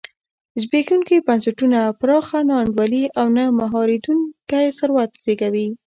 زبېښونکي بنسټونه پراخه نا انډولي او نه مهارېدونکی ثروت زېږوي.